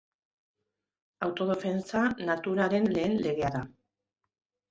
Autodefentsa naturaren lehen legea da.